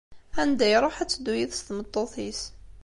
Anda iruḥ ad teddu yid-s tmeṭṭut-is.